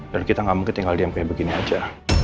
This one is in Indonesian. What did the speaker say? dan kita nggak mungkin tinggal diam kayak begini aja